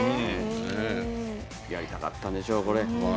やりたかったんでしょう、これ。